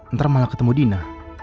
ntar malah ketemu dina